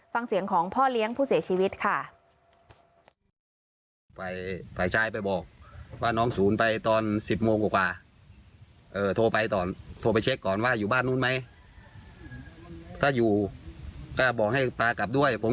ฟังเสียงของพ่อเลี้ยงผู้เสียชีวิตค่ะ